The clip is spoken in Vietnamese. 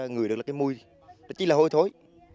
ngửi được là cái mùi chỉ là hôi thối